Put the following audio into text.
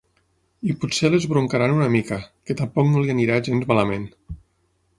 I potser l'esbrocaran una mica, que tampoc no li anirà gens malament.